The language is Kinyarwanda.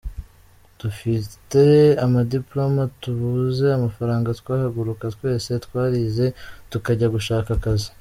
Dufite ama diploma, tubuze amafaranga twahaguruka twese twarize tukajya gushaka akazi.